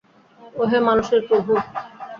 ওহে মানুষের প্রভু!